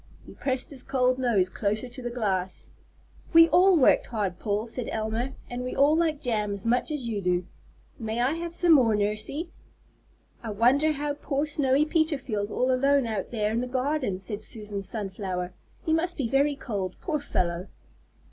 He pressed his cold nose closer to the glass. "We all worked hard, Paul," said Elma, "and we all like jam as much as you do. May I have some more, Nursey?" "I wonder how poor Snowy Peter feels all alone out there in the garden," said Susan Sunflower. "He must be very cold, poor fellow!"